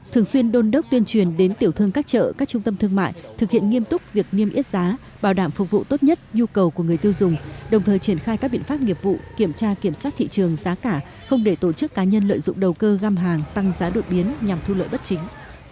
thường xuyên đôn đốc tuyên truyền đến tiểu thương các chợ các trung tâm thương mại thực hiện nghiêm túc việc niêm yết giá bảo đảm phục vụ tốt nhất nhu cầu của người tiêu dùng đồng thời triển khai các biện pháp nghiệp vụ kiểm tra kiểm soát thị trường giá cả không để tổ chức cá nhân lợi dụng đầu cơ găm hàng tăng giá đột biến nhằm thu lợi bất chính